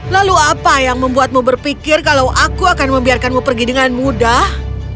lalu apa yang membuatmu berpikir kalau aku akan membiarkanmu pergi dengan mudah